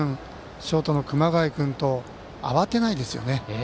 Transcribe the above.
ショートの熊谷君と慌てないですよね。